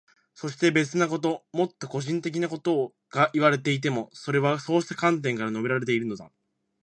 そして、別なこと、もっと個人的なことがいわれていても、それはそうした観点から述べられているのだ。